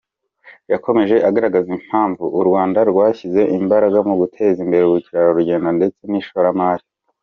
Yakomeje agaragaza impamvu u Rwanda rwashyize imbaraga mu guteza imbere ubukerarugendo ndetse n’ishoramari.